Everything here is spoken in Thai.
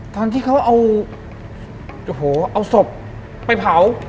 ตอนที่เขาเอาโอ้โหเอาศพไปเผา